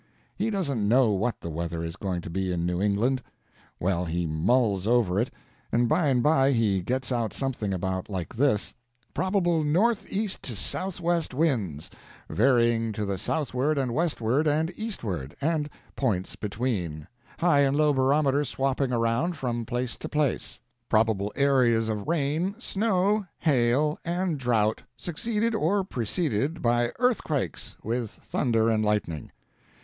He doesn't know what the weather is going to be in New England. Well, he mulls over it, and by and by he gets out something about like this: Probable northeast to southwest winds, varying to the southward and westward and eastward, and points between, high and low barometer swapping around from place to place; probable areas of rain, snow, hail, and drought, succeeded or preceded by earthquakes, with thunder and lightning.